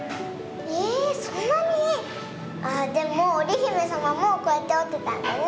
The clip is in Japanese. ええっそんなに⁉ああでもおりひめさまもこうやっておってたんだね！